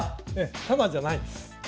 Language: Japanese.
タダじゃないです。